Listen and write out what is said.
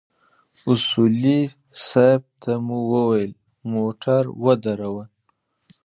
اصولي صیب ته مو وويل موټر ودروه.